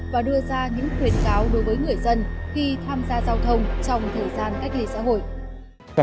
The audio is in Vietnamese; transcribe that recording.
và đưa ra những khuyến cáo đối với người dân khi tham gia giao thông trong thời gian cách ly xã hội